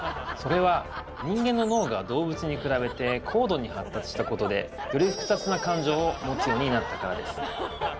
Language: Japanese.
それは人間の脳が動物に比べて高度に発達したことでより複雑な感情を持つようになったからです。